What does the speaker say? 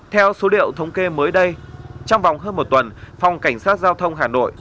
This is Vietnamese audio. theo số liệu thống kê mới đây trong vòng hơn một tuần phòng cảnh sát giao thông hà nội